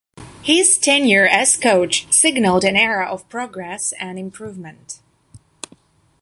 His tenure as coach signalled an era of progress and improvement.